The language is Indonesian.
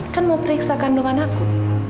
kan mau periksa kandungan aku